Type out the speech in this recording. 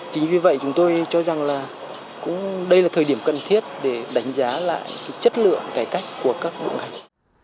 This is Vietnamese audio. chính vì vậy chúng tôi cho rằng là đây là thời điểm cần thiết để đánh giá lại chất lượng cải cách của các bộ ngành